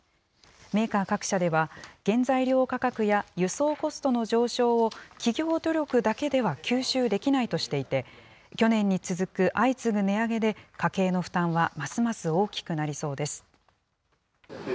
メーカー各社では、原材料価格や輸送コストの上昇を企業努力だけでは吸収できないとしていて、去年に続く相次ぐ値上げで、家計の負担はますます大きくなりそうです。